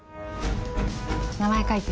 名前書いて。